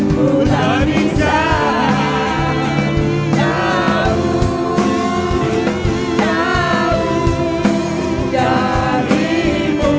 ku tak bisa jauh jauh darimu